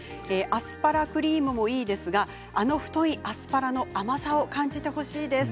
アスパラクリームもいいですがあの太いアスパラの甘さを感じてほしいです。